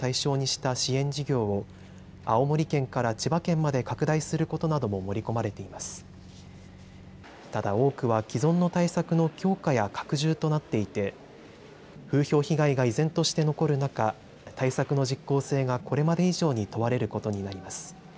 ただ、多くは既存の対策の強化や拡充となっていて風評被害が依然として残る中、対策の実効性がこれまで以上に問われることになります。